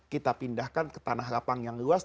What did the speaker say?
kita pindahkan ke tanah lapang yang luas